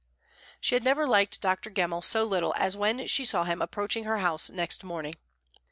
She had never liked Dr. Gemmell so little as when she saw him approaching her house next morning.